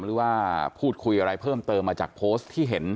หรือว่าพูดคุยอะไรเพิ่มเติมมาจากโพสต์ที่เห็น